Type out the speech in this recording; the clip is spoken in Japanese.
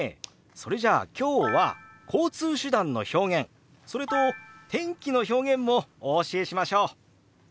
それじゃあ今日は交通手段の表現それと天気の表現もお教えしましょう！